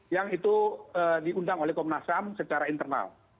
yang itu diundang oleh komnas ham secara internal